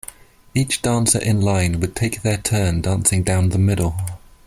Each dancer in line would take their turn dancing down the middle.